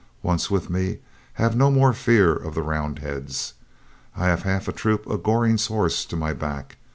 Once with me, have no more fear of the Roundheads. I have half a troop of Goring's horse to my back.